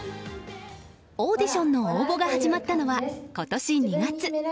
オーディションの応募が始まったのは今年２月。